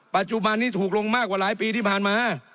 ปัจจุบันนี้ถูกลงมากกว่าหลายปีที่ผ่านมา